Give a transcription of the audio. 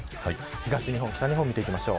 東日本、北日本です。